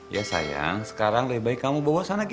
ya sayang sekarang lebih baik kamu bawa sana